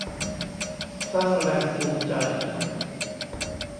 สร้างแรงจูงใจ